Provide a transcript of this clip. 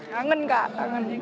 kangen kak kangen